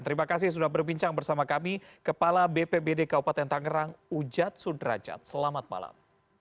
terima kasih sudah berbincang bersama kami kepala bpbd kabupaten tangerang ujad sudrajat selamat malam